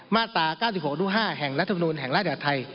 มาตรา๙๖๕แห่งรัฐพินูนแห่งราชิกาศไทย